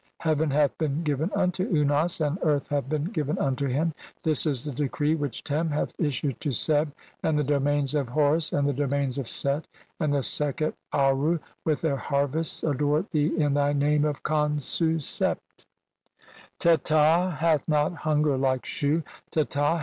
Heaven hath been given unto Unas and 'earth hath been given unto him ; this is the decree 'which Tem hath issued to Seb, and the domains of 'Horus, and the domains of Set, and the Sekhet Aaru 'with their harvests adore thee in thy name of Khonsu 'Sept" (59) "Teta hath not hunger like Shu, Teta.